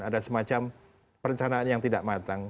ada semacam perencanaan yang tidak matang